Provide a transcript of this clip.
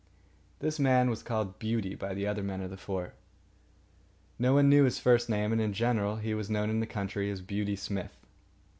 This man was called "Beauty" by the other men of the fort. No one knew his first name, and in general he was known in the country as Beauty Smith.